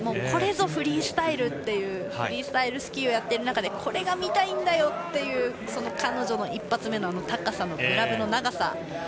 これぞフリースタイル！っていうフリースタイルスキーをやってる中でこれが見たいんだよという彼女の一発目の高さの、グラブの長さ。